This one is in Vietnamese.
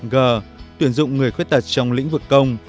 g tuyển dụng người khuyết tật trong lĩnh vực công